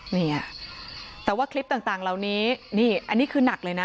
เนี่ยแต่ว่าคลิปต่างเหล่านี้นี่อันนี้คือหนักเลยนะ